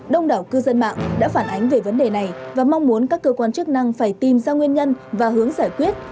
đông đảo cư dân mạng đã phản ánh về vấn đề này và mong muốn các cơ quan chức năng phải tìm ra nguyên nhân và hướng giải quyết